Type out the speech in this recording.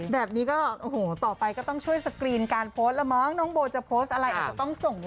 แบบนี้ก็โอ้โหต่อไปก็ต้องช่วยสกรีนการโพสต์